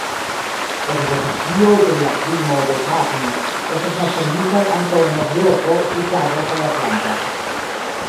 Ekspozicioj pri la krimo de Katin estis malfermitaj ankaŭ en Nov-Jorko, Ĉikago kaj Atlanta.